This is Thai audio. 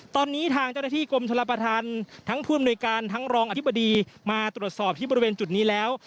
ตอนนี้ทางเจ้าหน้าที่กรมชลประธานทั้งผู้อำนวยการทั้งรองอธิบดีมาตรวจสอบที่บริเวณจุดนี้แล้ว